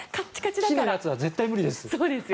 木のやつは絶対無理です。